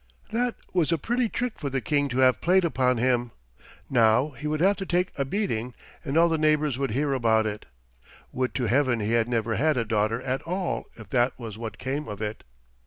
That was a pretty trick for the King to have played upon him. Now he would have to take a beating and all the neighbors would hear about it. Would to Heaven he had never had a daughter at all if that was what came of it.